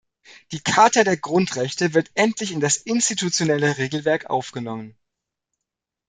Die Charta der Grundrechte wird endlich in das institutionelle Regelwerk aufgenommen.